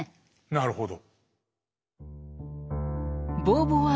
なるほど。